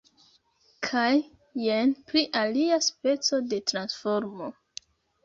Kaj jen pri alia speco de transformo.